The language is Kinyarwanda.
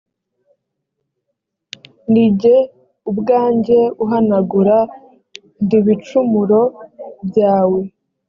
ni jye ubwanjye uhanagura d ibicumuro byawe